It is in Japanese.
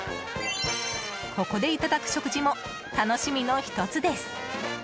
ここでいただく食事も楽しみの１つです。